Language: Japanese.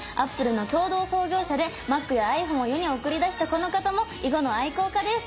Ａｐｐｌｅの共同創業者でＭａｃやｉＰｈｏｎｅを世に送り出したこの方も囲碁の愛好家です！